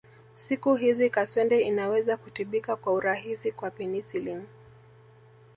Siku hizi kaswende inaweza kutibika kwa urahisi kwa penicillin